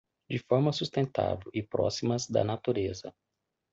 de forma sustentável e próximas da natureza.